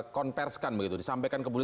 konversikan begitu disampaikan ke buli